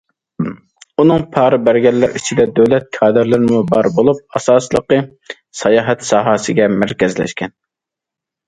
ئۇنىڭغا پارا بەرگەنلەر ئىچىدە دۆلەت كادىرلىرىمۇ بار بولۇپ، ئاساسلىقى ساياھەت ساھەسىگە مەركەزلەشكەن.